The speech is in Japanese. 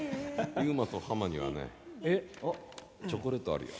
ユーマとハマにはねチョコレートあるよ。